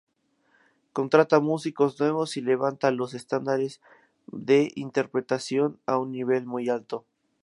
Contrata músicos nuevos y levanta los estándares de interpretación a un nivel muy alto.